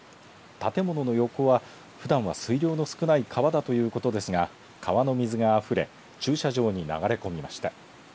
建物の横はふだんは水量の少ない川だということですが川の水があふれ駐車場に流れ込みました。